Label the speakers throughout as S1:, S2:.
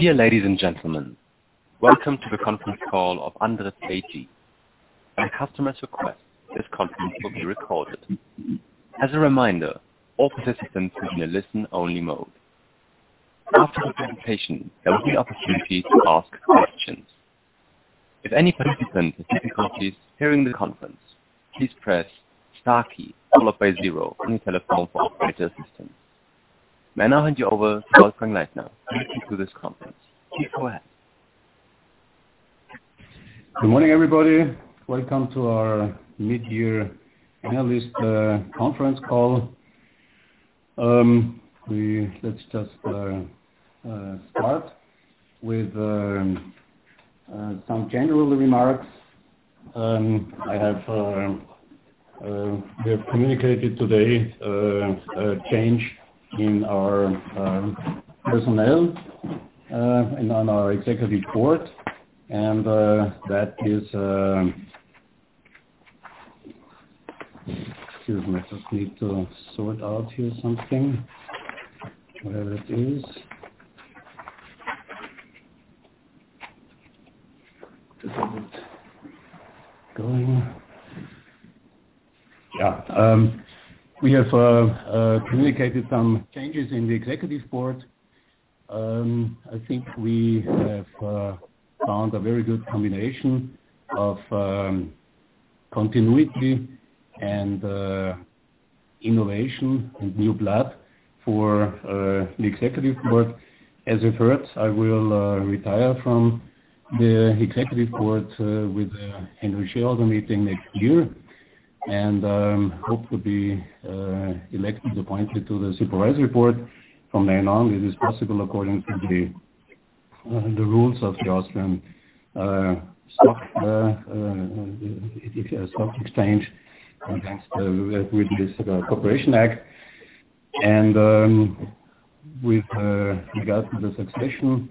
S1: Dear ladies and gentlemen, welcom`e to the conference call of ANDRITZ AG. At a customer's request, this conference will be recorded. As a reminder, all participants are in a listen-only mode. After the presentation, there will be an opportunity to ask questions. If any participant has difficulties hearing the conference, please press star key followed by zero on your telephone for operator assistance. May I now hand you over to Wolfgang Leitner to take you through this conference? Please go ahead.
S2: Good morning, everybody. Welcome to our mid-year analyst conference call. Let's just start with some general remarks. We have communicated today a change in our personnel and on our Executive Board. Excuse me, I just need to sort out here something. Whatever it is. This isn't going. Yeah. We have communicated some changes in the Executive Board. I think we have found a very good combination of continuity and innovation and new blood for the Executive Board. As you've heard, I will retire from the Executive Board with the annual shareholders' meeting next year, and hope to be elected and appointed to the Supervisory Board from then on. It is possible according to the rules of the Austrian Stock Corporation Act. With regard to the succession,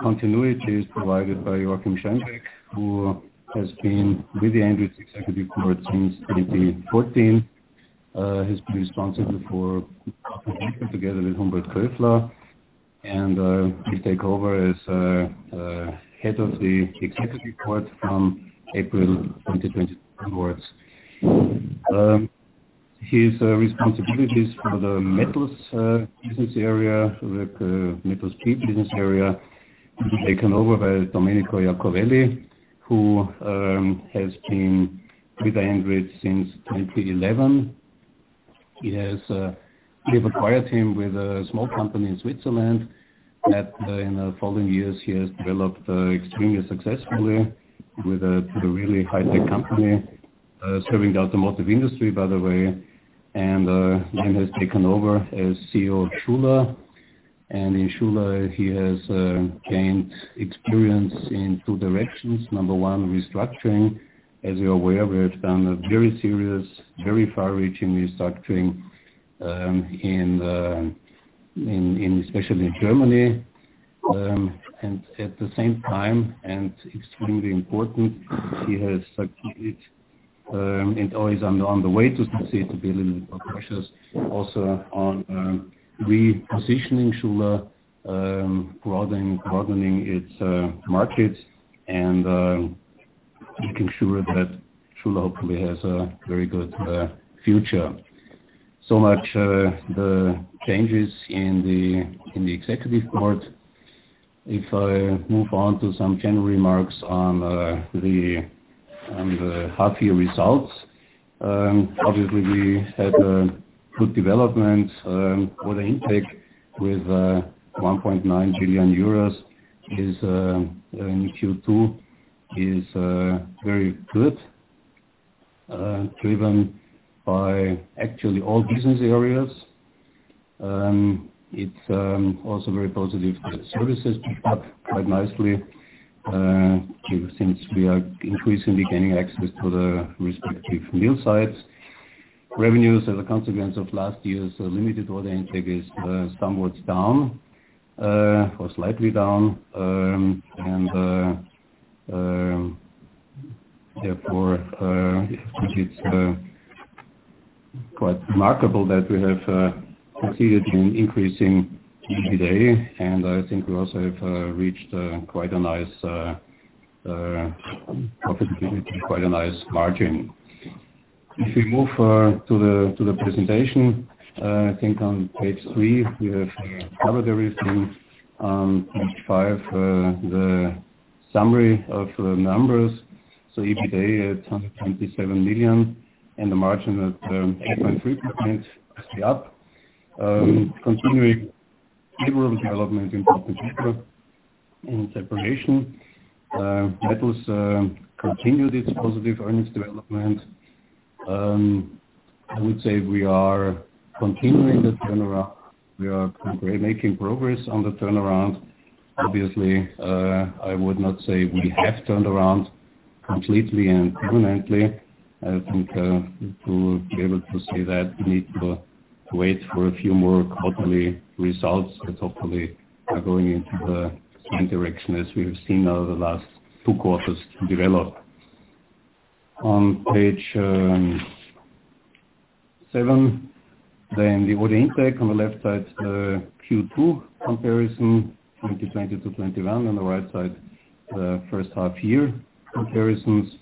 S2: continuity is provided by Joachim Schönbeck, who has been with the ANDRITZ Executive Board since 2014. He has been responsible for Paper together with Humbert Köfler, and he'll take over as head of the executive board from April 2024 onwards. His responsibilities for the Metals business area will be taken over by Domenico Iacovelli, who has been with ANDRITZ since 2011. We've acquired him with a small company in Switzerland, that in the following years, he has developed extremely successfully with a really high-tech company, serving the automotive industry, by the way. Then has taken over as CEO of Schuler. In Schuler, he has gained experience in two directions. Number one, restructuring. As you're aware, we have done a very serious, very far-reaching restructuring, especially in Germany. At the same time, and extremely important, he has succeeded and always on the way to sustainability and operations, also on repositioning Schuler, broadening its markets and making sure that Schuler hopefully has a very good future. Much the changes in the executive board. If I move on to some general remarks on the half-year results. Obviously, we had a good development. Order intake with 1.9 billion euros in Q2 is very good, driven by actually all business areas. It's also very positive that services picked up quite nicely, since we are increasingly gaining access to the respective mill sites. Revenues as a consequence of last year's limited order intake is somewhat down or slightly down. Therefore, I think it's quite remarkable that we have succeeded in increasing EBITDA, and I think we also have reached quite a nice profitability, quite a nice margin. If we move to the presentation, I think on page three, we have covered everything. On page five, the summary of the numbers. EBITDA at 227 million and the margin at 8.3% is up. Continuing favorable development in Pulp & Paper and Separation. Metals continued its positive earnings development. I would say we are continuing the turnaround. We are making progress on the turnaround. Obviously, I would not say we have turned around completely and permanently. I think to be able to say that, we need to wait for a few more quarterly results that hopefully are going into the same direction as we have seen over the last two quarters develop. On page seven, the order intake on the left side, Q2 comparison, 2020 to 2021. On the right side, the first half-year comparisons.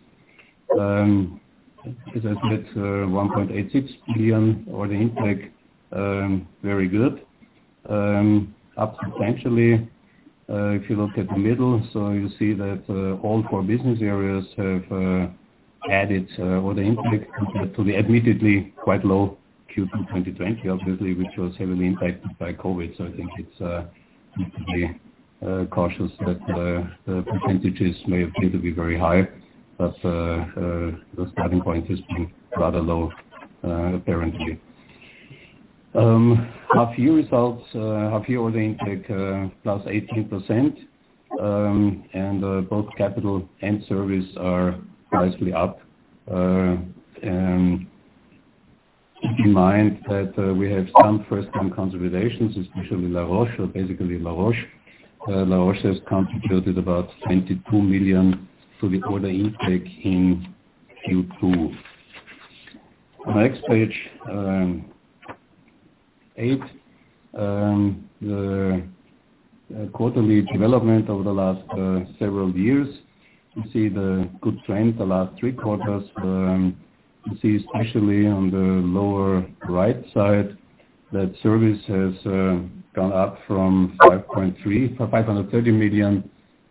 S2: As I said, 1.86 billion order intake, very good. Up substantially if you look at the middle. You see that all four business areas have added order intake compared to the admittedly quite low Q2 2020, obviously, which was heavily impacted by COVID. I think it's completely obvious that the percentages may appear to be very high. The starting point has been rather low, apparently. Half year results, half year order intake, +18%. Both capital and service are nicely up. Keep in mind that we have some first-time consolidations, especially Laroche. Basically Laroche has contributed about 22 million to the order intake in Q2. On the next page eight, the quarterly development over the last several years. You see the good trend, the last three quarters. You see especially on the lower right side, that service has gone up from 530 million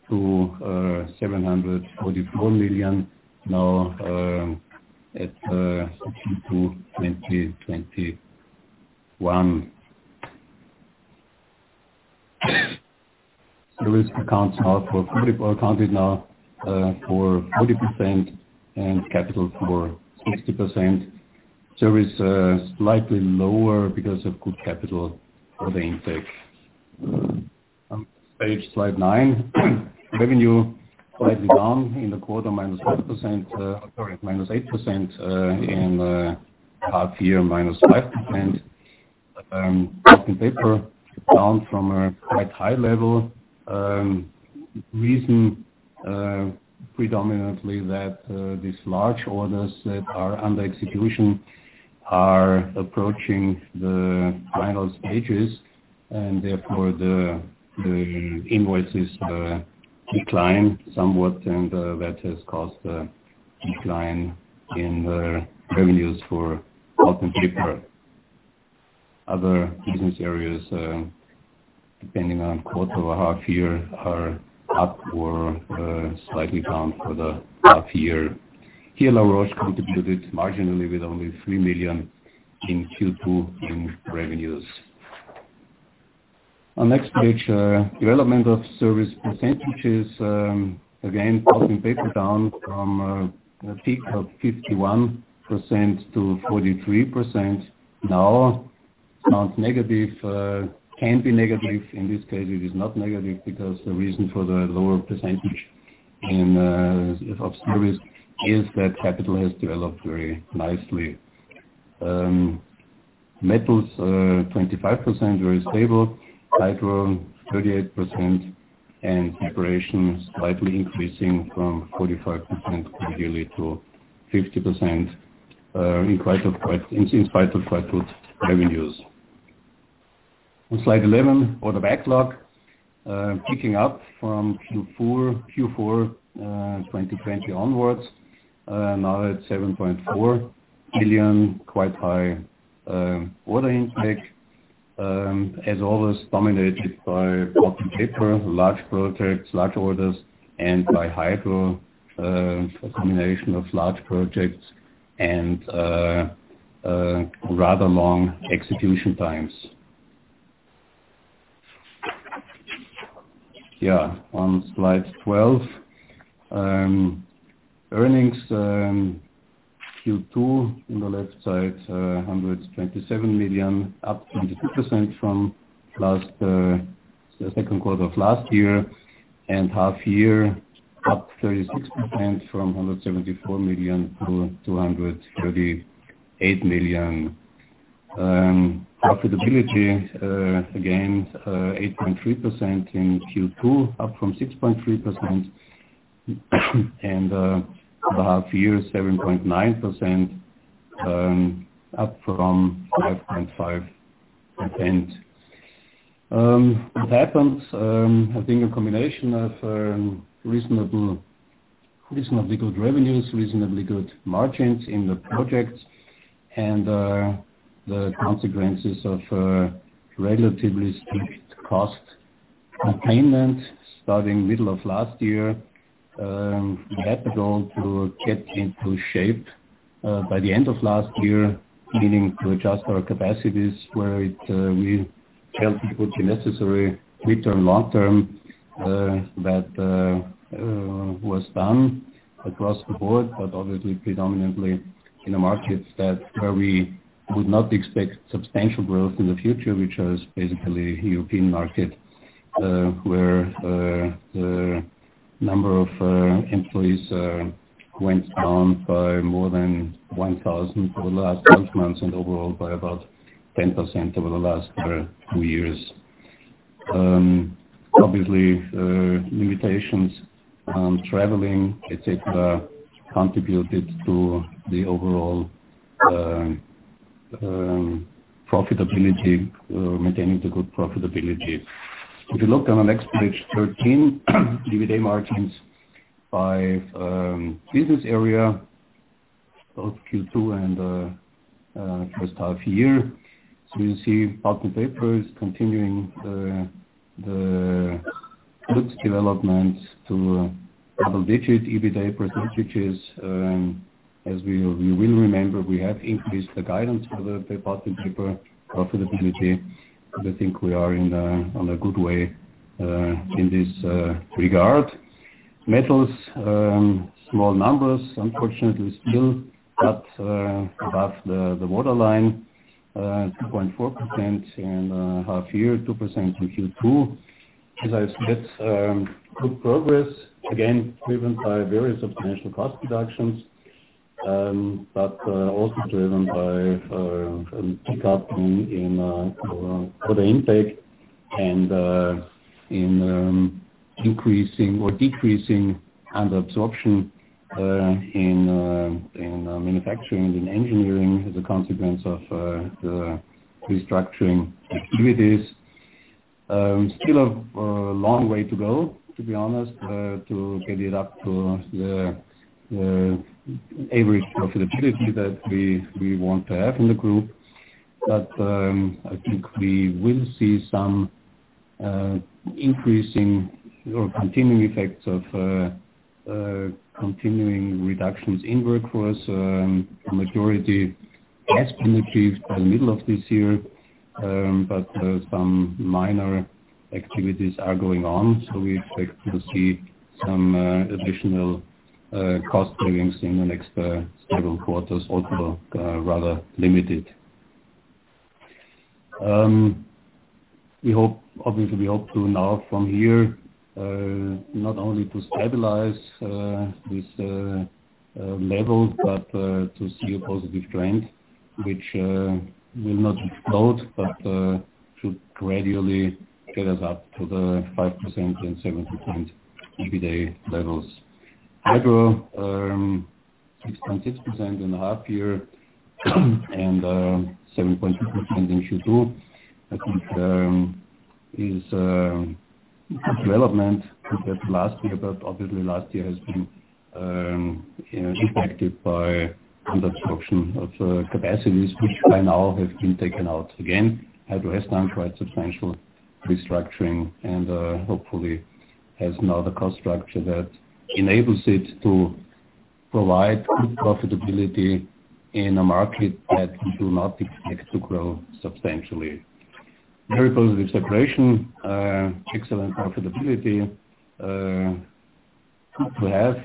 S2: to 744 million now at Q2 2021. Service accounted now for 40% and capital for 60%. Service slightly lower because of good capital order intake. On page slide nine, revenue slightly down in the quarter, -8% in half year, -5%. Paper down from a quite high level. Reason predominantly that these large orders that are under execution are approaching the final stages, and therefore the invoices decline somewhat, and that has caused a decline in the revenues for Pulp & Paper. Other business areas, depending on quarter or half year, are up or slightly down for the half year. Here, Laroche contributed marginally with only 3 million in Q2 in revenues. On next page, development of service percentages. Again, Pulp & Paper down from a peak of 51% to 43%. Now, sounds negative, can be negative. In this case, it is not negative because the reason for the lower percentage in service is that capital has developed very nicely. Metals, 25%, very stable. Hydro, 38%, and Separation slightly increasing from 45% yearly to 50% in spite of quite good revenues. On slide 11, order backlog. Picking up from Q4 2020 onwards, now at 7.4 billion, quite high order intake. As always, dominated by Pulp & Paper, large projects, large orders, and by Hydro, a combination of large projects and rather long execution times. On slide 12, earnings Q2 on the left side, 127 million, up 22% from the second quarter of last year, and half year, up 36% from 174 million to 238 million. Profitability, again, 8.3% in Q2, up from 6.3%. The half year, 7.9%, up from 5.5%. What happens, I think a combination of reasonably good revenues, reasonably good margins in the projects, and the consequences of relatively strict cost containment starting middle of last year. We had the goal to get into shape by the end of last year, meaning to adjust our capacities where we felt it would be necessary, mid-term, long-term. That was done across the board, but obviously predominantly in the markets where we would not expect substantial growth in the future, which is basically European market, where the number of employees went down by more than 1,000 over the last 12 months and overall by about 10% over the last two years. Obviously, limitations on traveling, et cetera, contributed to the overall profitability, maintaining the good profitability. If you look on the next page, 13, EBITDA margins by business area, both Q2 and the first half year. You see Paper is continuing the good developments to double-digit EBITDA percentages. As we will remember, we have increased the guidance for the Paper profitability. I think we are in a good way in this regard. Metals, small numbers, unfortunately, still above the waterline. 2.4% in half year, 2% in Q2. As I said, good progress, again, driven by various substantial cost reductions, but also driven by a pickup in order intake and in increasing or decreasing under absorption in manufacturing and in engineering as a consequence of the restructuring activities. Still a long way to go, to be honest, to get it up to the average profitability that we want to have in the group. I think we will see some increasing or continuing effects of continuing reductions in workforce. A majority has been achieved by the middle of this year, but some minor activities are going on. We expect to see some additional cost savings in the next several quarters, although rather limited. Obviously, we hope to now from here, not only to stabilize this level, but to see a positive trend, which will not explode, but should gradually get us up to the 5% and 7% EBITDA levels. Hydro, 6.6% in the half year and 7.2% in Q2. I think this is a good development compared to last year, but obviously last year has been impacted by under absorption of capacities, which by now have been taken out again. Hydro has done quite substantial restructuring and hopefully has now the cost structure that enables it to provide good profitability in a market that we do not expect to grow substantially. Very positive Separation. Excellent profitability to have.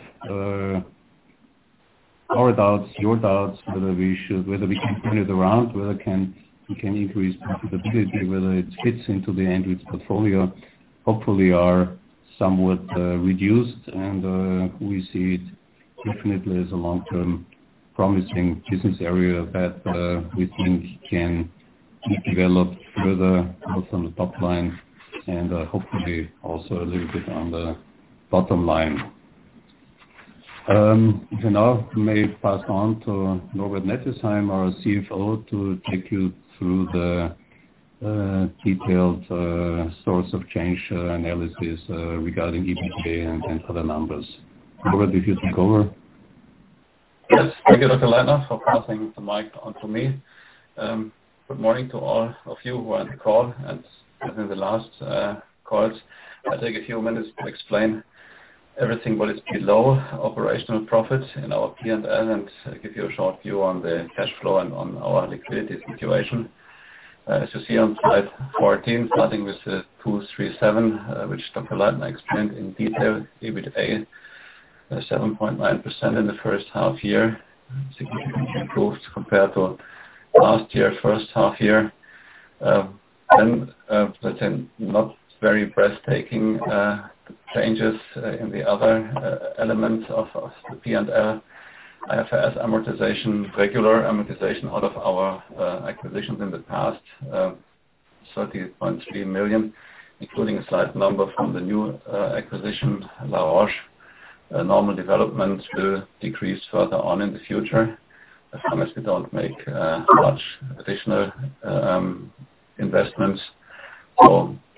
S2: Our doubts, your doubts, whether we can turn it around, whether we can increase profitability, whether it fits into the ANDRITZ portfolio, hopefully are somewhat reduced and we see it definitely as a long-term promising business area that we think can be developed further, both on the top line and hopefully also a little bit on the bottom line. If you now may pass on to Norbert Nettesheim, our CFO, to take you through the detailed source of change analysis regarding EBITDA and other numbers. Norbert, if you take over.
S3: Yes. Thank you, Wolfgang Leitner, for passing the mic on to me. Good morning to all of you who are on the call and have been the last calls. I'll take a few minutes to explain everything what is below operational profits in our P&L and give you a short view on the cash flow and on our liquidity situation. As you see on slide 14, starting with 237, which Wolfgang Leitner explained in detail, EBITDA 7.9% in the first half year. Significantly improved compared to last year, first half year. Not very breathtaking changes in the other elements of the P&L. IFRS amortization, regular amortization out of our acquisitions in the past, 38.3 million, including a slight number from the new acquisition, Laroche. Normal development will decrease further on in the future, as long as we don't make much additional investments.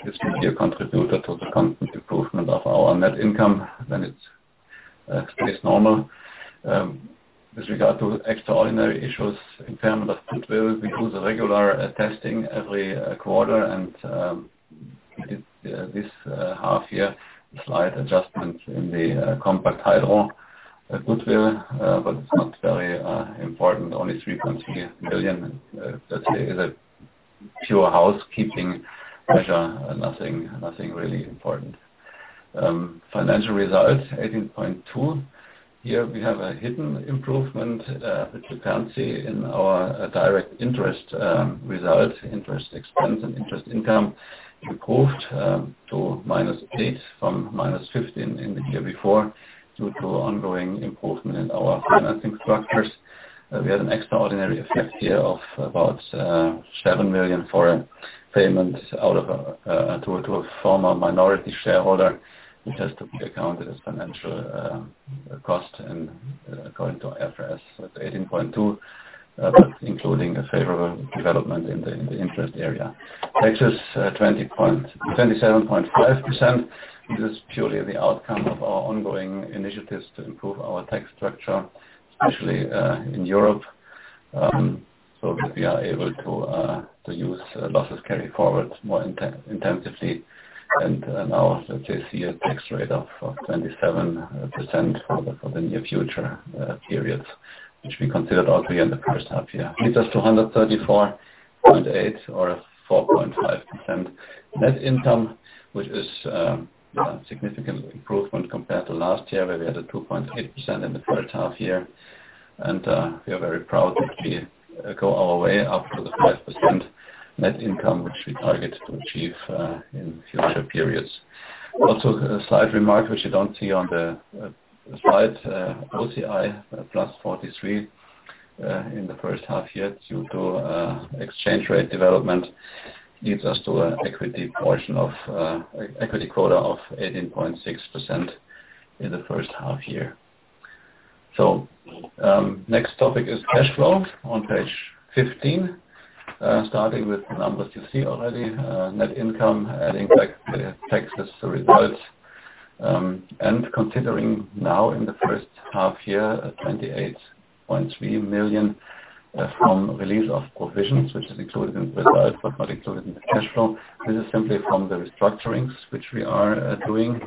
S3: This will be a contributor to the constant improvement of our net income when it's at least normal. With regard to extraordinary issues in term of goodwill, we do the regular testing every quarter and this half year, slight adjustments in the Compact Hydro goodwill. It's not very important. Only 3.3 million. That is a pure housekeeping measure. Nothing really important. Financial results, 18.2. Here we have a hidden improvement, which you can see in our direct interest result. Interest expense and interest income improved to -8 from -15 in the year before, due to ongoing improvement in our financing structures. We had an extraordinary effect here of about 7 million for a payment out to a former minority shareholder, which has to be accounted as financial cost and according to IFRS 18.2, but including a favorable development in the interest area. Taxes 27.5%, which is purely the outcome of our ongoing initiatives to improve our tax structure, especially in Europe, we are able to use losses carry forward more intensively and now also to see a tax rate of 27% for the near future periods, which we considered also in the first half year. Leads us to 134.8 or 4.5% net income, which is a significant improvement compared to last year, where we had a 2.8% in the first half year. We are very proud that we go our way up to the 5% net income, which we target to achieve in future periods. A slight remark which you don't see on the slide, OCI plus 43, in the first half year due to exchange rate development, leads us to an equity quota of 18.6% in the first half year. Next topic is cash flow on page 15. Starting with the numbers you see already, net income adding back the taxes result, and considering now in the first half year, 28.3 million from release of provisions, which is included in results but not included in the cash flow. This is simply from the restructurings which we are doing.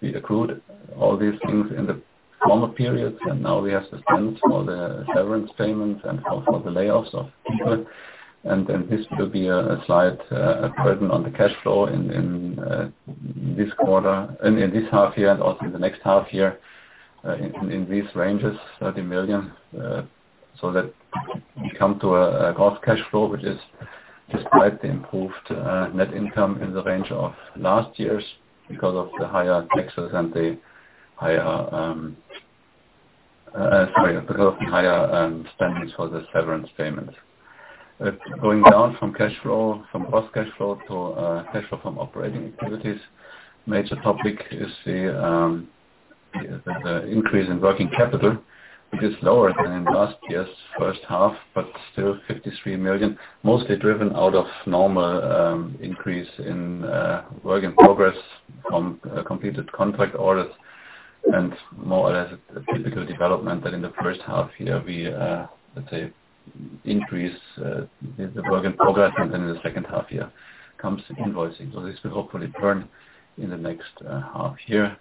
S3: We accrued all these things in the former periods, now we have to spend for the severance payment and also the layoffs of people. This will be a slight burden on the cash flow in this half year and also in the next half year, in these ranges, 30 million. We come to a gross cash flow, which is despite the improved net income in the range of last year's because of the higher spendings for the severance payments. Going down from gross cash flow to cash flow from operating activities. Major topic is the increase in working capital, which is lower than in last year's first half, but still 53 million. Mostly driven out of normal increase in work in progress from completed contract orders and more or less a typical development that in the first half year we, let's say, increase the work in progress and then in the second half year comes invoicing. This will hopefully turn in the next half year.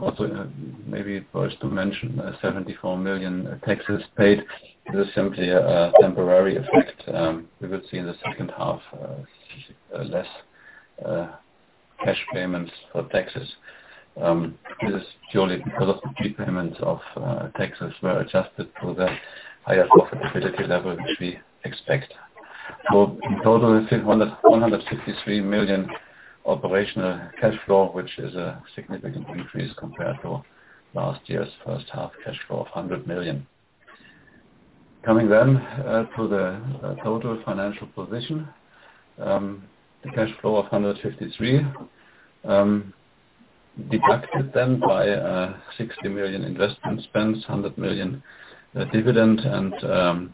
S3: Also, maybe it was to mention, 74 million taxes paid. This is simply a temporary effect. We will see in the second half less cash payments for taxes. This is purely because of the prepayments of taxes were adjusted to the higher profitability level which we expect. In total, 163 million operational cash flow, which is a significant increase compared to last year's first half cash flow of 100 million. Coming to the total financial position. The cash flow of 153, deducted then by 60 million investment spends, 100 million dividend and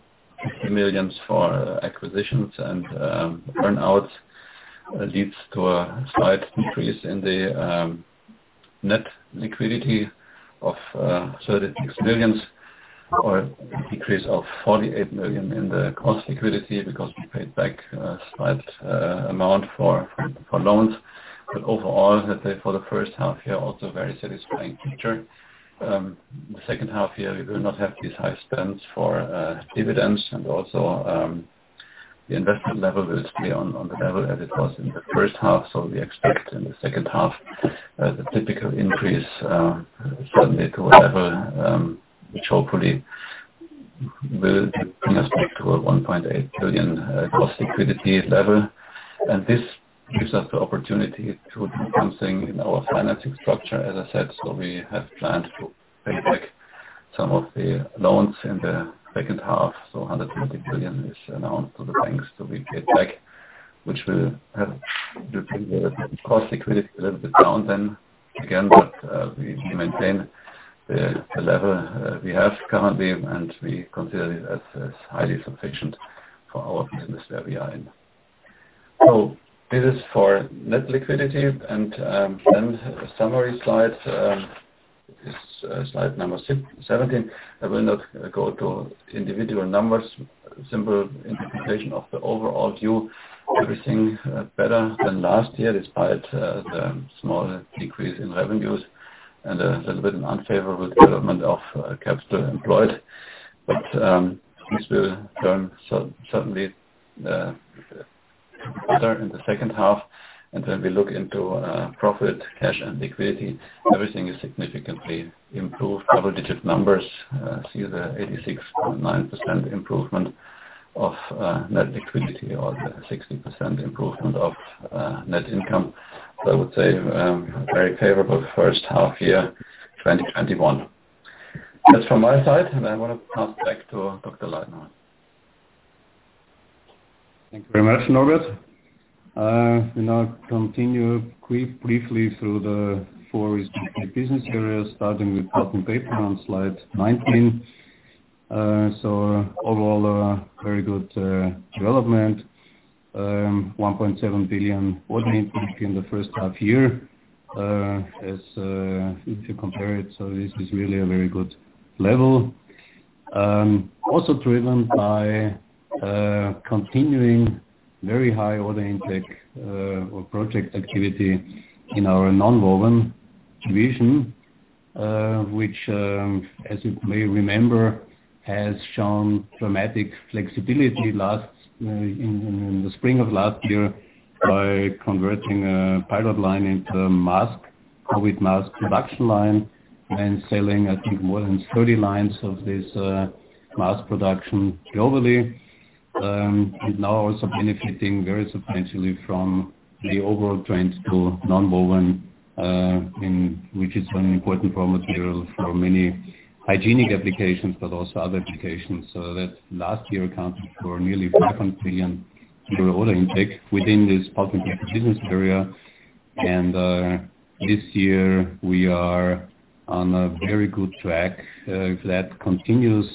S3: 50 million for acquisitions and earn-outs, leads to a slight increase in the net liquidity of 36 billion or a decrease of 48 million in the cost liquidity because we paid back a slight amount for loans. Overall, let's say for the first half year, also very satisfying picture. The second half-year, we will not have these high spends for dividends and also the investment level will stay on the level as it was in the first half. We expect in the second half the typical increase certainly to a level which hopefully will bring us back to a 1.8 billion net liquidity level. This gives us the opportunity to do something in our financing structure, as I said. We have planned to pay back some of the loans in the second half. 150 billion is announced to the banks that we pay back, which will have the net liquidity a little bit down then again, but we maintain the level we have currently, and we consider it as highly sufficient for our business that we are in. This is for net liquidity and then a summary slide. This is slide number 17. I will not go to individual numbers. Simple interpretation of the overall view. Everything better than last year, despite the small decrease in revenues and a little bit unfavorable development of capital employed. This will turn certainly better in the second half. When we look into profit, cash, and liquidity, everything is significantly improved. Double-digit numbers, see the 86.9% improvement of net liquidity or the 60% improvement of net income. I would say, a very favorable first half year 2021. That's from my side, and I want to pass back to Wolfgang Leitner.
S2: Thank you very much, Norbert. I will now continue briefly through the four respective business areas, starting with Pulp & Paper on slide 19. Overall, a very good development. 1.7 billion order intake in the first half year, if you compare it. This is really a very good level. Also driven by continuing very high order intake or project activity in our nonwoven division, which, as you may remember, has shown dramatic flexibility in the spring of last year by converting a pilot line into a mask, COVID mask production line, and selling I think more than 30 lines of this mask production globally. It's now also benefiting very substantially from the overall trend to nonwoven, which is an important raw material for many hygienic applications, but also other applications. That last year accounted for nearly 500 million euro order intake within this Pulp & Paper business area. This year we are on a very good track. If that continues,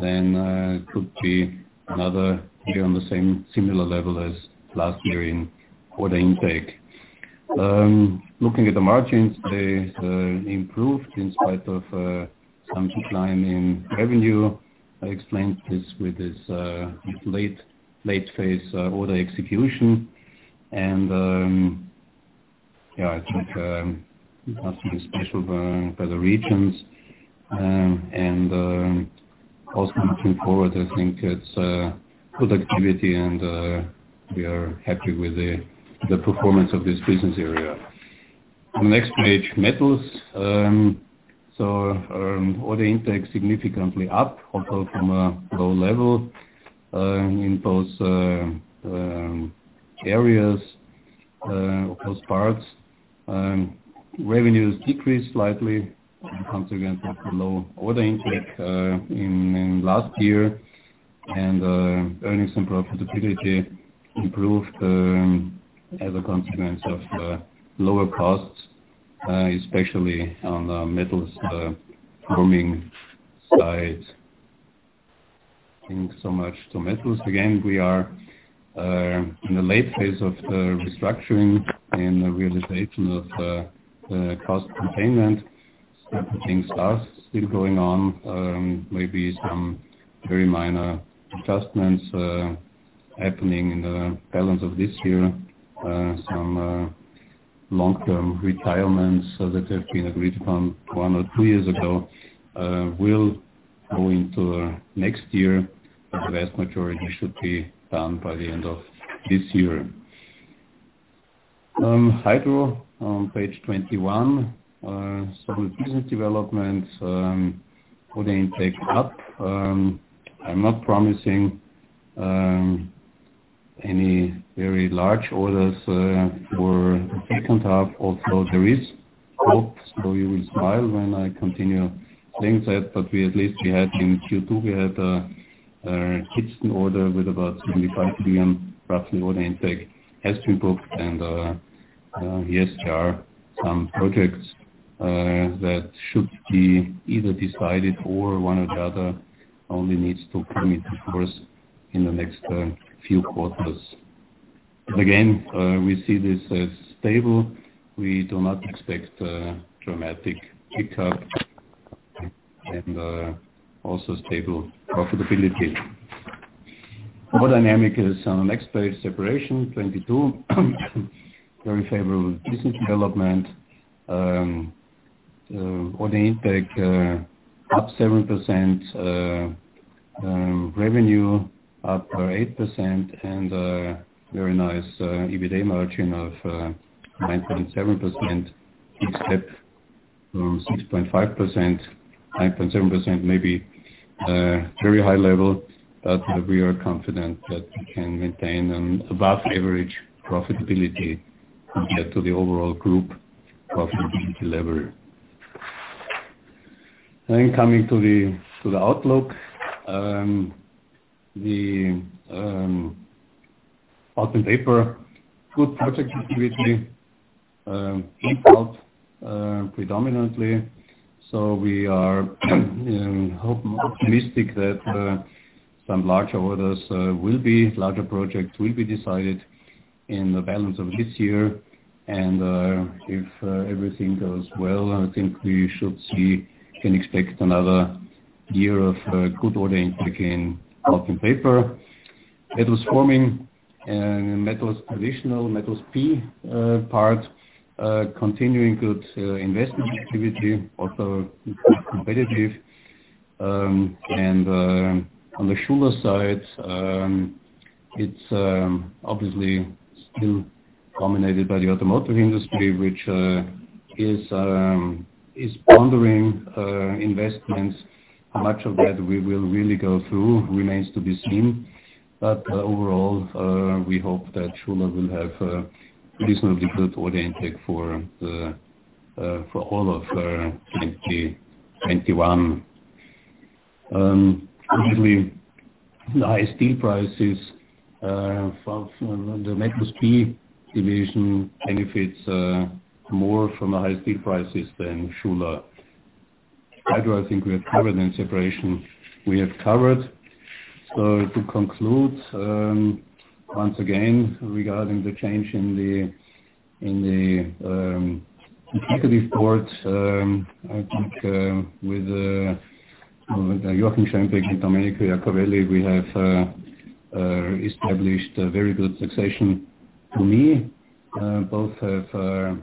S2: then it could be another year on the same similar level as last year in order intake. Looking at the margins, they improved in spite of some decline in revenue. I explained this with this late phase order execution, and, I think, nothing special by the regions. Also looking forward, I think it's good activity and we are happy with the performance of this business area. On the next page, Metals. Order intake significantly up, although from a low level, in those areas, or those parts. Revenues decreased slightly, a consequence of the low order intake in last year. Earnings and profitability improved as a consequence of lower costs, especially on the metals forming side. I think so much to Metals. We are in the late phase of the restructuring and the realization of the cost containment. Certain things are still going on. Maybe some very minor adjustments happening in the balance of this year. Some long-term retirements that have been agreed upon one ot two years ago will go into next year, but the vast majority should be done by the end of this year. Hydro on page 21. Solid business development. Order intake up. I am not promising any very large orders for the second half, although there is hope, so you will smile when I continue saying that, but at least in Q2, we had a kitchen order with about 75 million, roughly, order intake has been booked. Yes, there are some projects that should be either decided or one or the other only needs to come into force in the next few quarters. Again, we see this as stable. We do not expect a dramatic pickup. Also stable profitability. More dynamic is on the next page, Separation, 22. Very favorable business development. Order intake up 7%, revenue up 8%, and a very nice EBITA margin of 9.7%, up from 6.5%. 9.7% may be a very high level, but we are confident that we can maintain an above average profitability compared to the overall group profitability level. Coming to the outlook. The Pulp & Paper, good project activity, in Pulp predominantly. We are optimistic that some larger projects will be decided in the balance of this year. If everything goes well, I think we should see, can expect another year of good order intake in Pulp & Paper. Metals Forming and Metals Traditional, Metals P part, continuing good investment activity, also competitive. On the Schuler side, it's obviously still dominated by the automotive industry, which is pondering investments. Much of that we will really go through remains to be seen. Overall, we hope that Schuler will have a reasonably good order intake for all of 2021. Obviously, the high steel prices from the Metals Processing division benefits more from the high steel prices than Schuler. Hydro, I think we have covered in Separation. We have covered. To conclude, once again, regarding the change in the executive board, I think with Joachim Schönbeck and Domenico Iacovelli, we have established a very good succession for me. Both have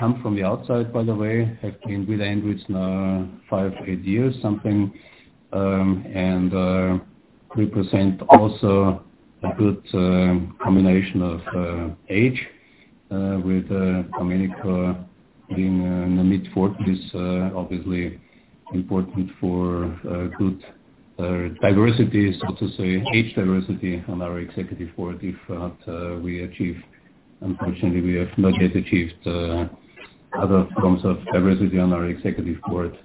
S2: come from the outside, by the way, have been with ANDRITZ now five, eight years, something. Represent also a good combination of age, with Domenico Iacovelli being in the mid-40s, obviously important for good diversity, so to say, age diversity on our executive board, if not we achieve. Unfortunately, we have not yet achieved other forms of diversity on our executive board.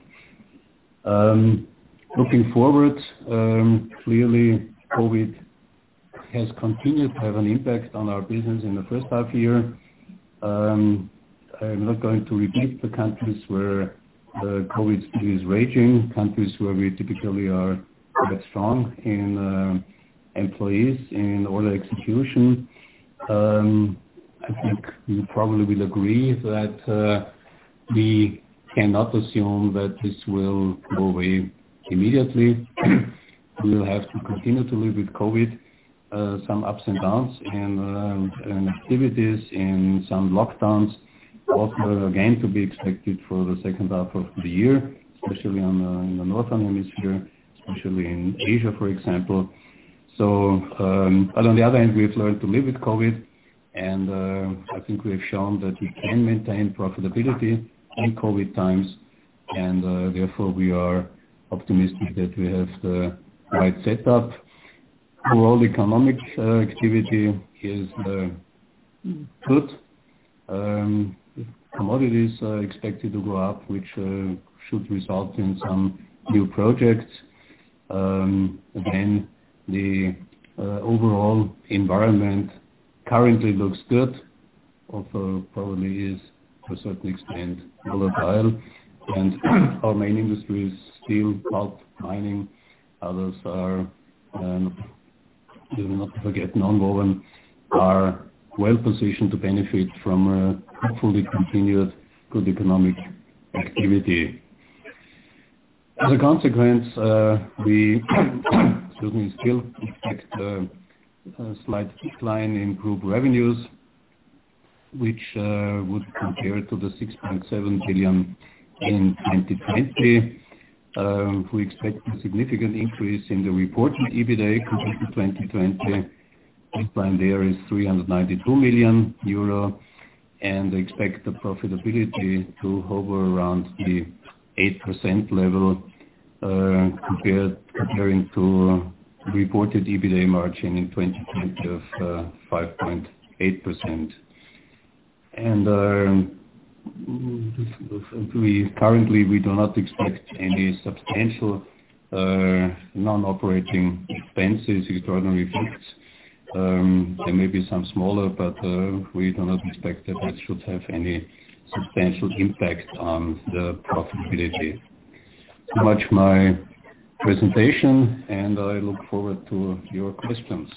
S2: Looking forward, clearly, COVID has continued to have an impact on our business in the first half year. I'm not going to repeat the countries where COVID is raging, countries where we typically are quite strong in employees, in order execution. I think you probably will agree that we cannot assume that this will go away immediately. We will have to continue to live with COVID, some ups and downs in activities, in some lockdowns, also again to be expected for the second half of the year, especially in the northern hemisphere, especially in Asia, for example. On the other hand, we have learned to live with COVID, and I think we have shown that we can maintain profitability in COVID times. Therefore, we are optimistic that we have the right setup. Overall economic activity is good. Commodities are expected to go up, which should result in some new projects. Again, the overall environment currently looks good, although probably is to a certain extent volatile. Our main industry is steel, pulp, mining. Do not forget, nonwoven are well positioned to benefit from a hopefully continued good economic activity. As a consequence, we excuse me, still expect a slight decline in group revenues, which would compare to the 6.7 billion in 2020. We expect a significant increase in the reported EBITA compared to 2020. Baseline there is 392 million euro. Expect the profitability to hover around the 8% level, comparing to reported EBITA margin in 2020 of 5.8%. Currently, we do not expect any substantial non-operating expenses, extraordinary effects. There may be some smaller, but we do not expect that should have any substantial impact on the profitability. Much my presentation, and I look forward to your questions.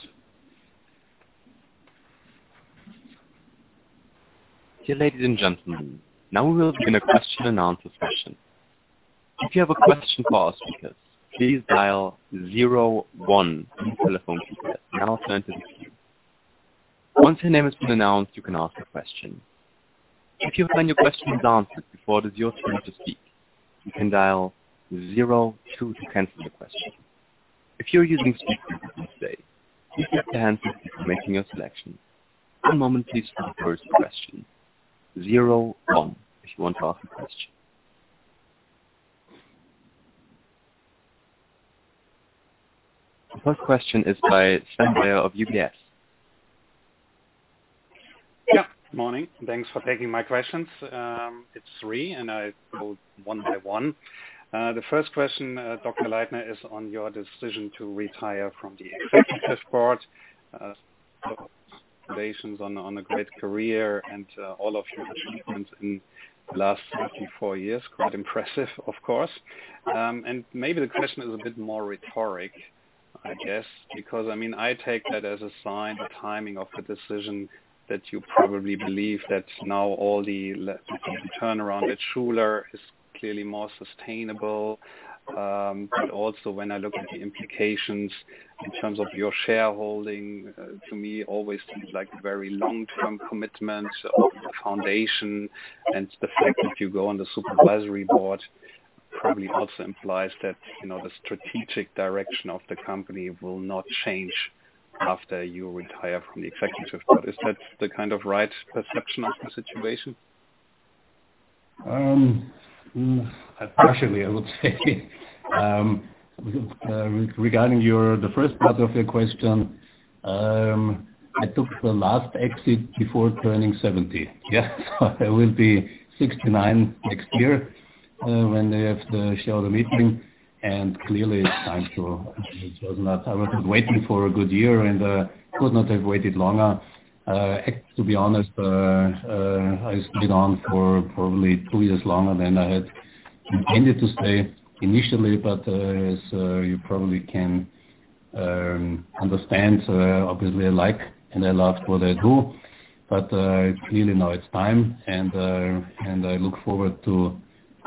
S1: Dear ladies and gentlemen, now we will begin a question and answer session. If you have a question for our speakers, please dial zero one on your telephone keypad. Now it's your turn to speak. Once your name has been announced, you can ask a question. If you find your questions answered before it is your turn to speak, you can dial zero two to cancel your question. If you're using speakerphone today, please lift your hand before making your selection. One moment please for the first question. Zero one if you want to ask a question. The first question is by Sven Weier of UBS.
S4: Yeah, morning. Thanks for taking my questions. It's three. I go one by one. The first question, Wolfgang Leitner, is on your decision to retire from the Executive Board. Congratulations on a great career and all of your achievements in the last 24 years. Quite impressive, of course. Maybe the question is a bit more rhetoric, I guess, because, I take that as a sign, the timing of the decision that you probably believe that now all the turnaround at Schuler is clearly more sustainable. Also, when I look at the implications in terms of your shareholding, to me always seems like very long-term commitment of the foundation and the fact that you go on the Supervisory Board. It probably also implies that the strategic direction of the company will not change after you retire from the Executive Board. Is that the right perception of the situation?
S2: Partially, I would say. Regarding the first part of your question, I took the last exit before turning 70. Yeah. I will be 69 next year, when they have the shareholder meeting, and clearly it's time to close that. I was waiting for a good year and could not have waited longer. To be honest, I stayed on for probably two years longer than I had intended to stay initially. As you probably can understand, obviously I like and I love what I do. Clearly now it's time, and I look forward to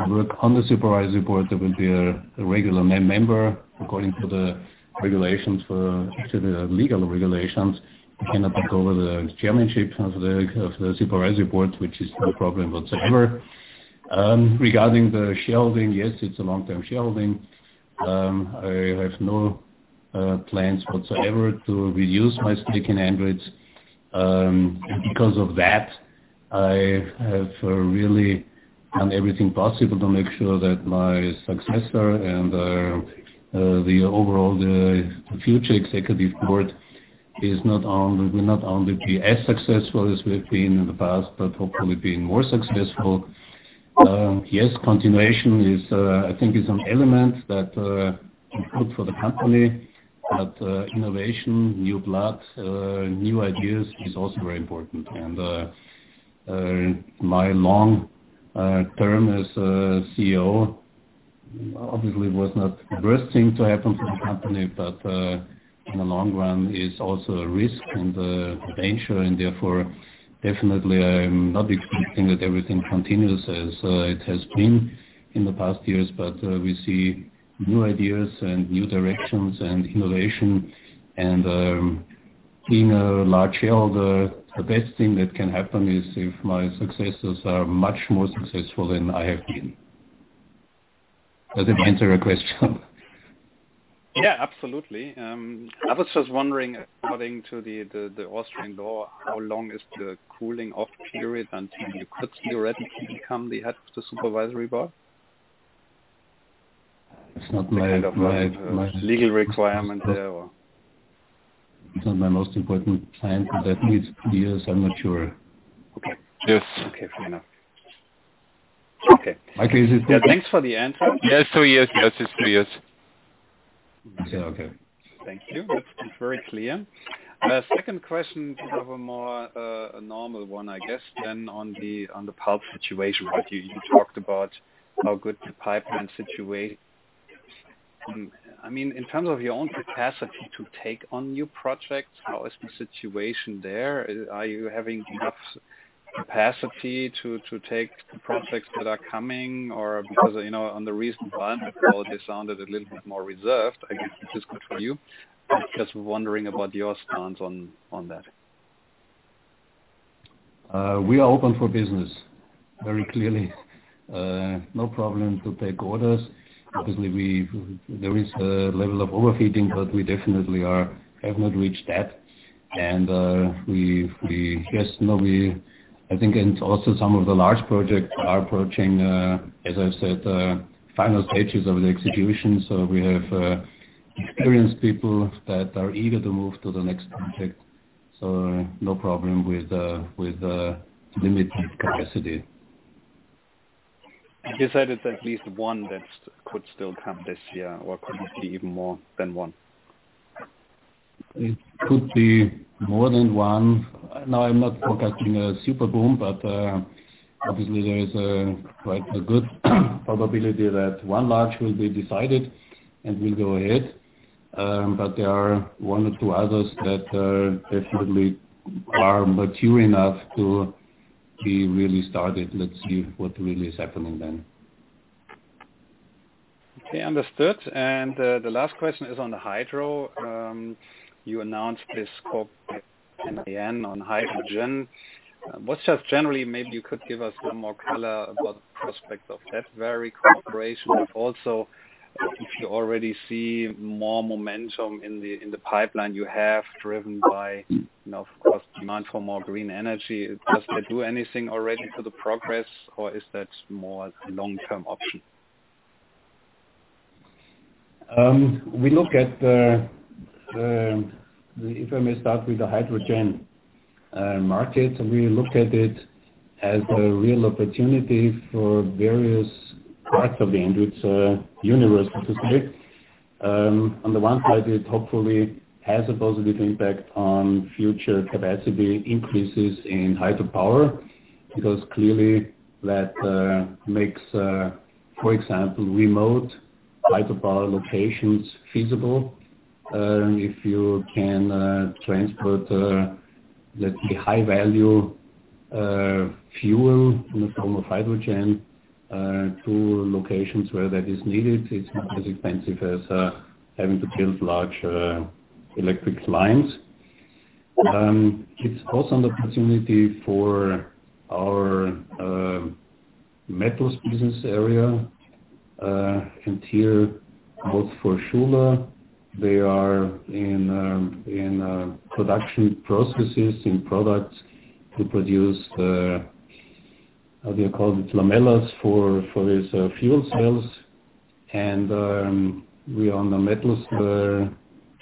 S2: work on the supervisory board. There will be a regular member according to the legal regulations. I cannot take over the chairmanship of the supervisory board, which is no problem whatsoever. Regarding the shareholding, yes, it's a long-term shareholding. I have no plans whatsoever to reduce my stake in ANDRITZ. Because of that, I have really done everything possible to make sure that my successor and the future executive board will not only be as successful as we have been in the past, but hopefully be more successful. Yes, continuation I think is an element that is good for the company, but innovation, new blood, new ideas is also very important. My long term as CEO obviously was not the worst thing to happen to the company. In the long run, it's also a risk and a danger, and therefore definitely I am not expecting that everything continues as it has been in the past years. We see new ideas and new directions and innovation, and being a large shareholder, the best thing that can happen is if my successors are much more successful than I have been. Does it answer your question?
S4: Yeah, absolutely. I was just wondering, according to the Austrian law, how long is the cooling off period until you could theoretically become the head of the Supervisory Board?
S2: It's not my-
S4: Kind of a legal requirement there or?
S2: It's not my most important plan. That needs years. I'm not sure.
S4: Okay. Yes. Okay, fair enough. Okay.
S2: Okay.
S4: Yeah, thanks for the answer.
S5: Yes, 2 years. Yes, it's 2 years.
S2: Yeah, okay.
S4: Thank you. That's very clear. Second question, probably more a normal one, I guess, on the pulp situation. You talked about how good the pipeline situation. In terms of your own capacity to take on new projects, how is the situation there? Are you having enough capacity to take the projects that are coming? Because, on the recent one, you probably sounded a little bit more reserved. I guess that is good for you. Just wondering about your stance on that.
S2: We are open for business, very clearly. No problem to take orders. Obviously, there is a level of overheating, but we definitely have not reached that. I think also some of the large projects are approaching, as I've said, the final stages of the execution. We have experienced people that are eager to move to the next project, so no problem with limit capacity.
S4: You said it's at least one that could still come this year, or could it be even more than one?
S2: It could be more than one. No, I'm not forecasting a super boom, but obviously there is quite a good probability that one large will be decided, and we'll go ahead. There are one or two others that definitely are mature enough to be really started. Let's see what really is happening then.
S4: Okay, understood. The last question is on the Hydro. You announced this scope in the AN on hydrogen. Maybe you could give us a little more color about the prospects of that very cooperation. If you already see more momentum in the pipeline you have driven by of course, demand for more green energy. Does that do anything already to the progress, or is that more a long-term option?
S2: If I may start with the hydrogen market. We look at it as a real opportunity for various parts of the ANDRITZ universe, specifically. On the one side, it hopefully has a positive impact on future capacity increases in hydropower, because clearly that makes, for example, remote hydropower locations feasible. If you can transport, let's say, high-value fuel in the form of hydrogen to locations where that is needed, it's not as expensive as having to build large electric lines. It's also an opportunity for our Metals business area, and here, both for Schuler, they are in production processes, in products to produce the, how do you call it? Lamellas for these fuel cells. We on the Metals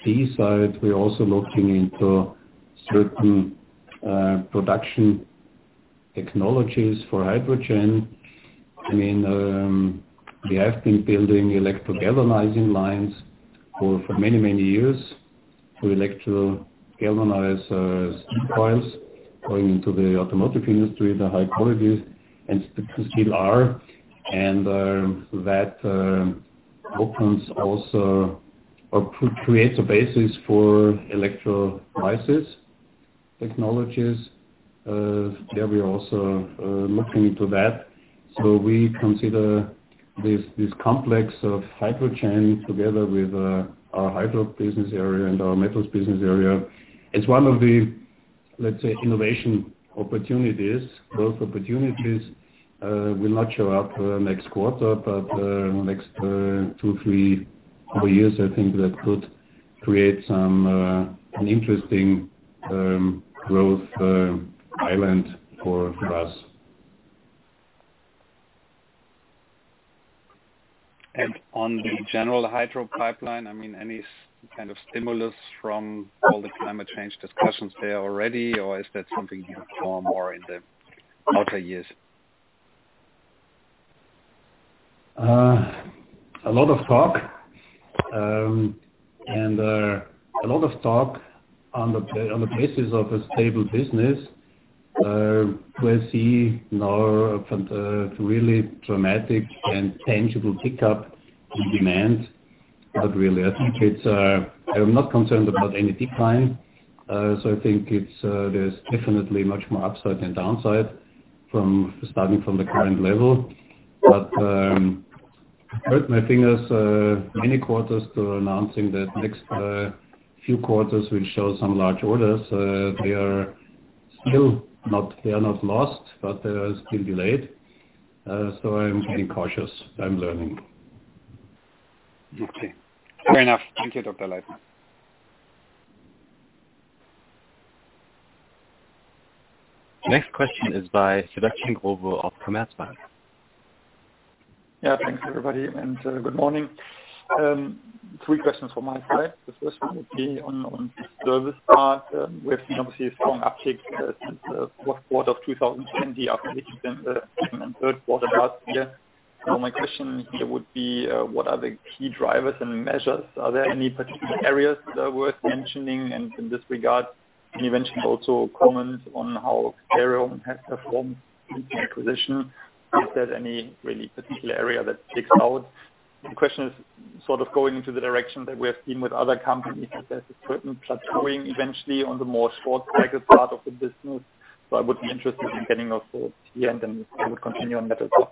S2: B side, we're also looking into certain production technologies for hydrogen. We have been building electrolytic galvanizing lines for many, many years. We electro galvanize steel coils going into the automotive industry, the high quality and stainless steel are. That opens also or creates a basis for electrolysis technologies. There we are also looking into that. We consider this complex of hydrogen together with our Hydro business area and our Metals business area. It's one of the, let's say, innovation opportunities. Growth opportunities will not show up next quarter, but next two, three years, I think that could create an interesting growth island for us.
S4: On the general Hydro pipeline, any kind of stimulus from all the climate change discussions there already, or is that something you saw more in the outer years?
S2: A lot of talk. A lot of talk on the basis of a stable business. We see no really dramatic and tangible pickup in demand. Really, I think I'm not concerned about any decline. I think there's definitely much more upside than downside, starting from the current level. I think there's many quarters to announcing that next few quarters will show some large orders. They are still not lost, but still delayed. I'm being cautious. I'm learning.
S4: Okay. Fair enough. Thank you, Wolfgang Leitner.
S1: Next question is by Sebastian Growe of Commerzbank.
S6: Thanks, everybody, and good morning. Three questions from my side. The first one would be on service part. We have seen obviously a strong uptick since the fourth quarter of 2020, after the second and third quarter last year. My question here would be, what are the key drivers and measures? Are there any particular areas that are worth mentioning? In this regard, can you mention also comments on how Xerium has performed in the acquisition? Is there any really particular area that sticks out? The question is sort of going into the direction that we have seen with other companies as their equipment plateauing eventually on the more spare parts-related part of the business. I would be interested in getting your thoughts here, and then I would continue on that as well.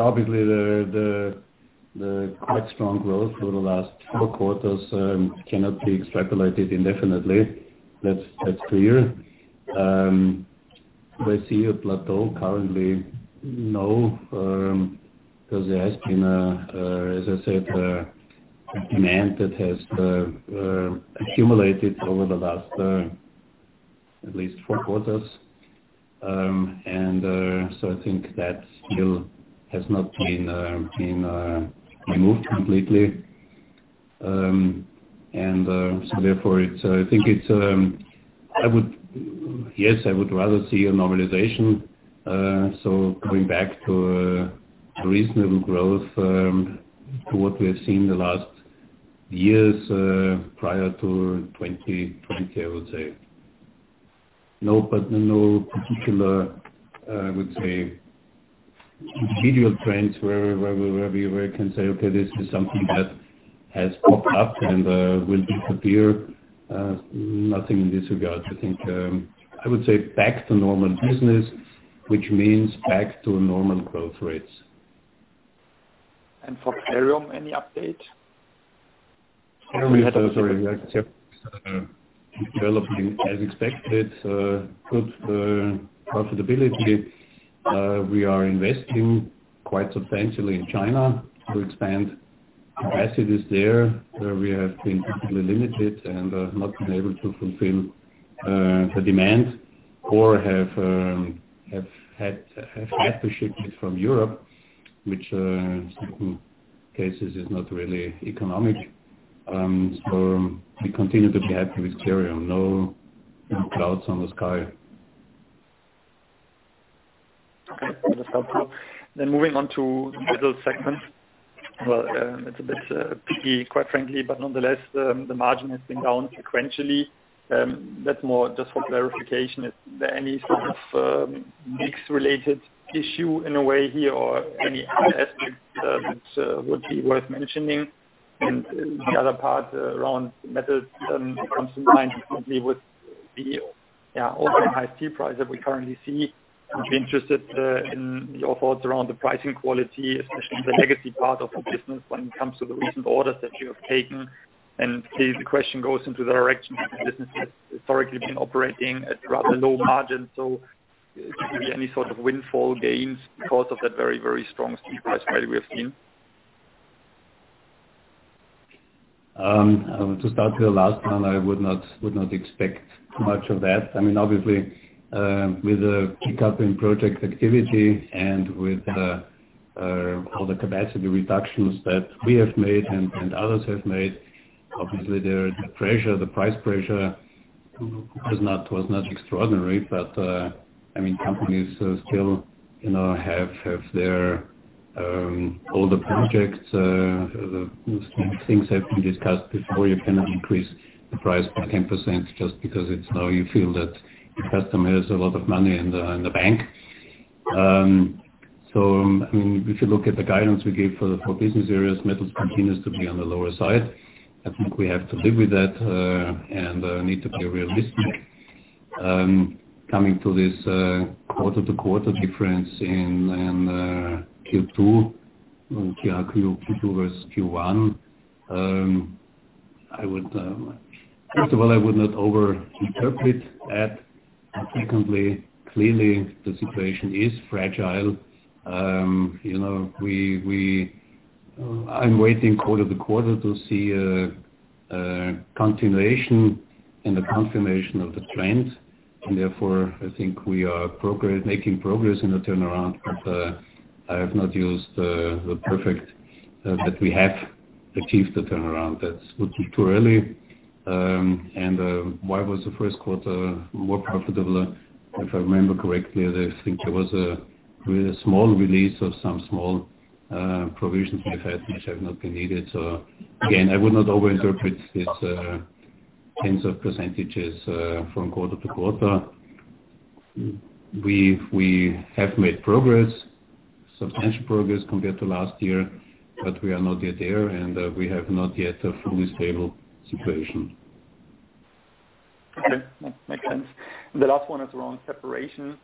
S2: Obviously the quite strong growth for the last four quarters cannot be extrapolated indefinitely. That's clear. Do I see a plateau currently? No, because there has been a, as I said, a demand that has accumulated over the last at least four quarters. I think that still has not been removed completely. Therefore, I think, yes, I would rather see a normalization. Going back to a reasonable growth, to what we have seen the last years, prior to 2020, I would say. No particular, I would say, video trends where we can say, okay, this is something that has popped up and will disappear. Nothing in this regard. I would say back to normal business, which means back to normal growth rates.
S6: For Xerium, any update?
S2: Xerium is also developing as expected. Good profitability. We are investing quite substantially in China to expand capacities there, where we have been completely limited and not been able to fulfill the demand or have had to ship it from Europe, which in certain cases is not really economic. We continue to be happy with Xerium. No clouds on the sky.
S6: Okay. That's helpful. Moving on to the Metals segment. It's a bit picky, quite frankly, but nonetheless, the margin has been down sequentially. That's more just for clarification. Is there any sort of mix-related issue in a way here or any other aspect that would be worth mentioning? The other part around Metals that comes to mind immediately, also high steel price that we currently see. I'd be interested in your thoughts around the pricing quality, especially the legacy part of the business when it comes to the recent orders that you have taken. Maybe the question goes into the direction that the business has historically been operating at rather low margins. Could there be any sort of windfall gains because of that very, very strong steel price rally we have seen?
S2: To start with the last one, I would not expect much of that. Obviously, with a pick-up in project activity and with all the capacity reductions that we have made and others have made, obviously the price pressure was not extraordinary. Companies still have their older projects. Things have been discussed before. You cannot increase the price by 10% just because it's now you feel that the customer has a lot of money in the bank. If you look at the guidance we gave for business areas, Metals continues to be on the lower side. I think we have to live with that, and need to be realistic. Coming to this quarter-to-quarter difference in Q2 versus Q1. First of all, I would not over-interpret that. Secondly, clearly the situation is fragile. I'm waiting quarter-to-quarter to see a continuation and the confirmation of the trend, and therefore I think we are making progress in the turnaround. I have not used the perfect that we have achieved the turnaround. That would be too early. Why was the first quarter more profitable? If I remember correctly, I think there was a really small release of some small provisions we've had, which have not been needed. Again, I would not over-interpret these tens of percentages from quarter to quarter. We have made progress, substantial progress compared to last year, but we are not yet there, and we have not yet a fully stable situation.
S6: Okay. Makes sense. The last one is around Separation.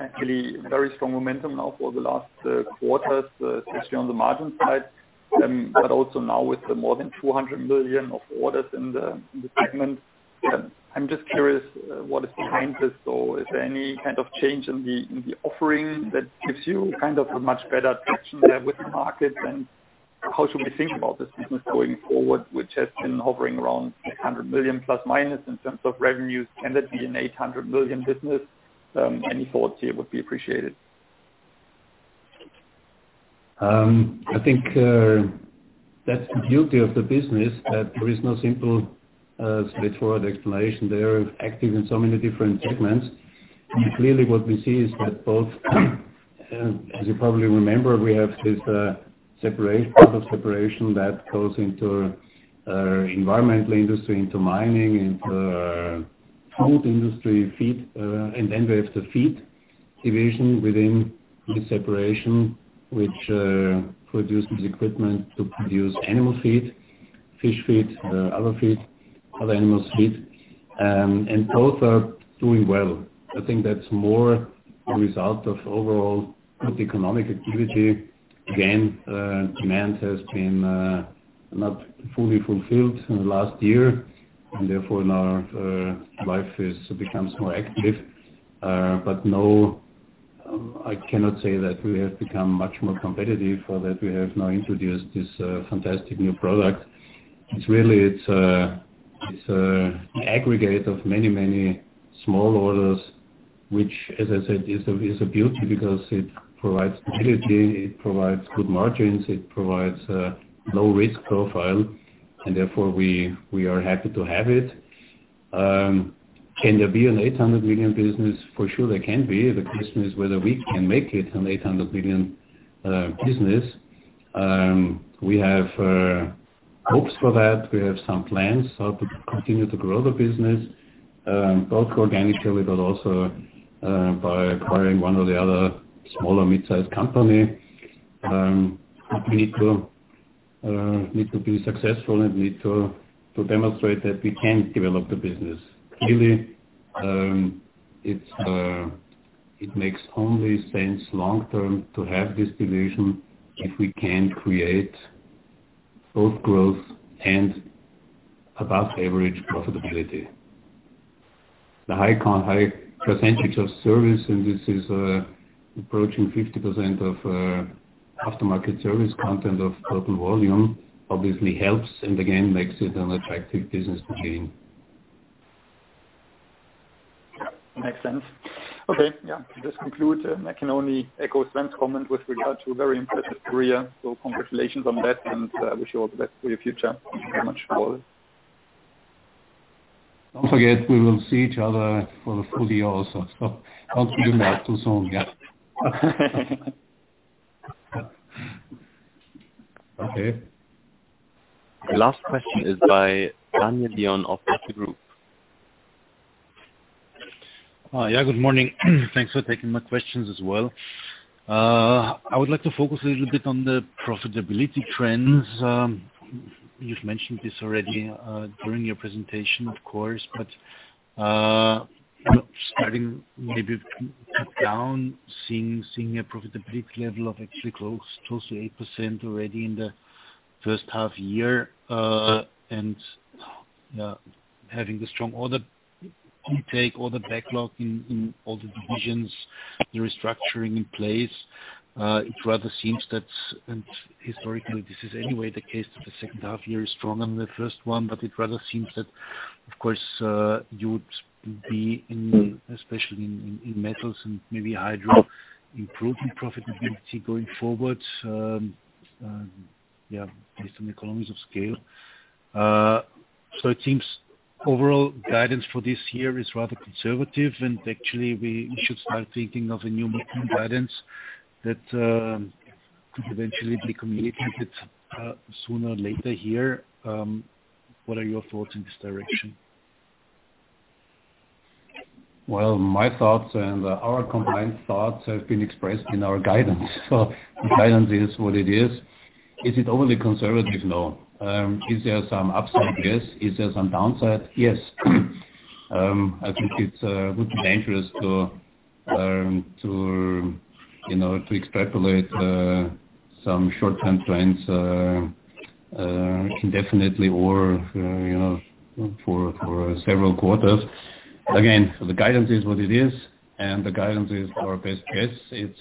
S6: Actually very strong momentum now for the last quarters, especially on the margin side. Also now with the more than 200 million of orders in the segment. I'm just curious what is behind this, or is there any kind of change in the offering that gives you a much better touch there with the market? How should we think about this business going forward, which has been hovering around 100 million plus minus in terms of revenues? Can that be an 800 million business? Any thoughts here would be appreciated.
S2: I think that is the beauty of the business, that there is no simple straightforward explanation. They are active in so many different segments. Clearly what we see is that as you probably remember, we have this part of Separation that goes into environmental industry, into mining, into food industry, and then we have the feed division within this Separation, which produces equipment to produce animal feed, fish feed, other animal feed. Both are doing well. I think that is more a result of overall economic activity. Again, demand has been not fully fulfilled in the last year, therefore now life becomes more active. No, I cannot say that we have become much more competitive or that we have now introduced this fantastic new product. It's really an aggregate of many, many small orders, which, as I said, is a beauty because it provides stability, it provides good margins, it provides a low-risk profile, and therefore we are happy to have it. Can there be an 800 million business? For sure, there can be. The question is whether we can make it an 800 million business. We have hopes for that. We have some plans how to continue to grow the business, both organically, but also by acquiring one or the other smaller mid-size company. We need to be successful and need to demonstrate that we can develop the business. Clearly, it makes only sense long term to have this division if we can create both growth and above average profitability. The high percentage of service, and this is approaching 50% of aftermarket service content of total volume, obviously helps and again, makes it an attractive business machine.
S6: Yeah. Makes sense. Okay. Yeah. This concludes. I can only echo Sven's comment with regard to a very impressive career. Congratulations on that and wish you all the best for your future. Thank you very much for all.
S2: Don't forget, we will see each other for the full year also. Don't say goodbye too soon yet. Okay.
S1: Last question is by Daniel Lion of Erste Group.
S7: Good morning. Thanks for taking my questions as well. I would like to focus a little bit on the profitability trends. You've mentioned this already during your presentation, of course, starting maybe down, seeing a profitability level of actually close to 8% already in the first half-year. Having the strong order intake, order backlog in all the divisions, the restructuring in place. It rather seems that, historically, this is anyway the case, that the second half-year is stronger than the first one. It rather seems that, of course, you would be, especially in Metals and maybe Hydro, improving profitability going forward, based on economies of scale. It seems overall guidance for this year is rather conservative, actually we should start thinking of a new guidance that could eventually be communicated sooner or later here. What are your thoughts in this direction?
S2: My thoughts and our combined thoughts have been expressed in our guidance. The guidance is what it is. Is it overly conservative? No. Is there some upside? Yes. Is there some downside? Yes. I think it would be dangerous to extrapolate some short-term trends indefinitely or for several quarters. Again, the guidance is what it is, and the guidance is our best guess. It's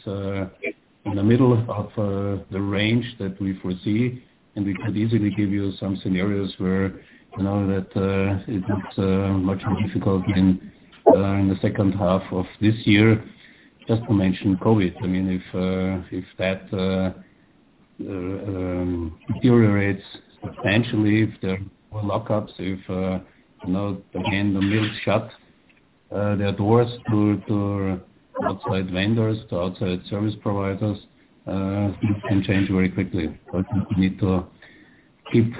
S2: in the middle of the range that we foresee, and we could easily give you some scenarios where it looks much more difficult in the second half of this year. Just to mention COVID. If that deteriorates substantially, if there were lockups, if, again, the mills shut their doors to outside vendors, to outside service providers, things can change very quickly. We need to keep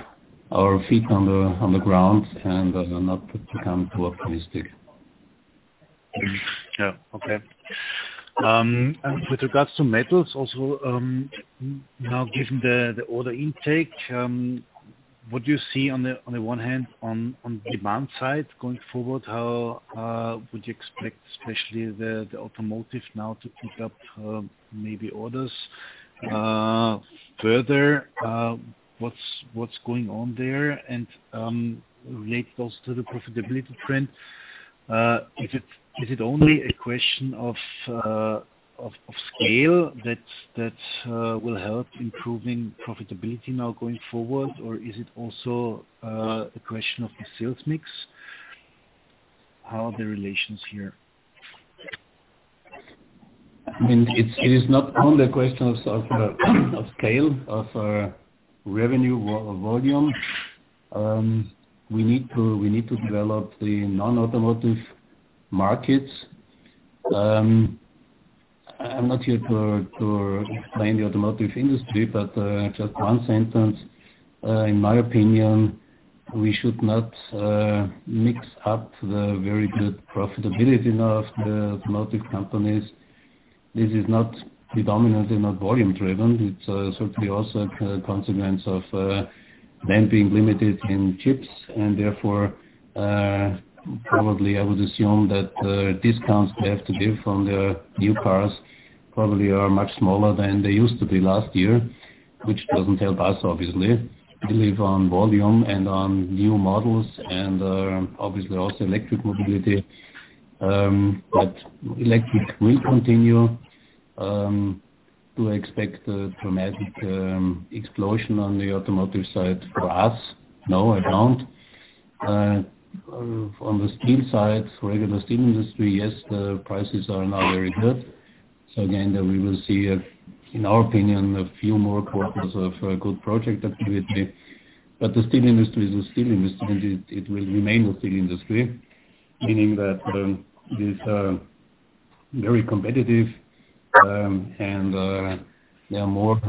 S2: our feet on the ground and not become too optimistic.
S7: Yeah. Okay. With regards to Metals also, now given the order intake, what do you see on the one hand, on demand side going forward? How would you expect, especially the automotive now to pick up maybe orders further? What's going on there? Related also to the profitability trend, is it only a question of scale that will help improving profitability now going forward, or is it also a question of the sales mix? How are the relations here?
S2: It is not only a question of scale, of revenue volume. We need to develop the non-automotive markets. I am not here to explain the automotive industry, but just one sentence. In my opinion, we should not mix up the very good profitability now of the automotive companies. This is not predominantly not volume-driven. It is certainly also a consequence of them being limited in chips, and therefore, probably I would assume that the discounts they have to give on their new cars probably are much smaller than they used to be last year, which doesn't help us, obviously. We live on volume and on new models and, obviously, also electric mobility. Electric will continue. Do I expect a dramatic explosion on the automotive side for us? No, I don't. On the steel side, regular steel industry, yes, the prices are now very good. Again, there we will see, in our opinion, a few more quarters of a good project activity. The steel industry is a steel industry, and it will remain a steel industry, meaning that it is very competitive, and there are more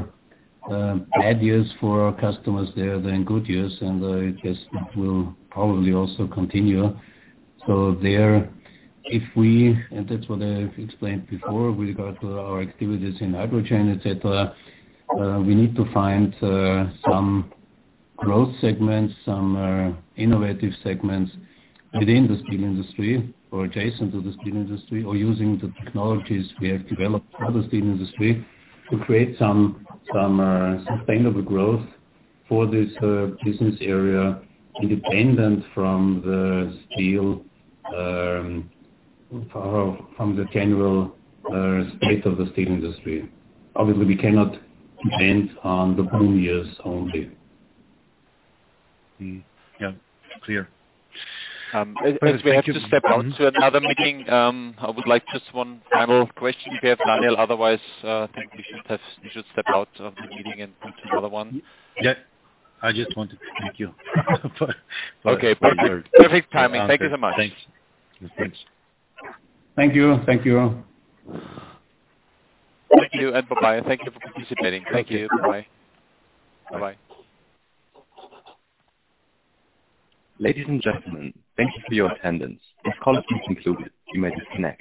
S2: bad years for our customers there than good years, and it just will probably also continue. There, if we, and that's what I explained before with regard to our activities in hydrogen, et cetera, we need to find some growth segments, some innovative segments within the steel industry or adjacent to the steel industry, or using the technologies we have developed for the steel industry to create some sustainable growth for this business area, independent from the general state of the steel industry. Obviously, we cannot depend on the boom years only.
S7: Yeah. Clear.
S5: Erich, we have to step out to another meeting. I would like just one final question here from Daniel. Otherwise, I think we should step out of the meeting and come to another one.
S7: Yeah. I just wanted to thank you for your-
S5: Okay, perfect. Perfect timing. Thank you so much.
S7: Thanks.
S2: Thank you.
S5: Thank you, and bye-bye. Thank you for participating. Thank you. Bye. Bye-bye.
S1: Ladies and gentlemen, thank you for your attendance. This call has been concluded. You may disconnect.